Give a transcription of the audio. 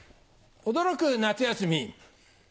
驚く夏休み。